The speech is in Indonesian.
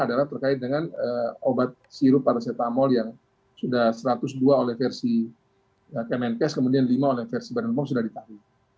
adalah terkait dengan obat sirup paracetamol yang sudah satu ratus dua oleh versi kemenkes kemudian lima oleh versi badan pom sudah ditahu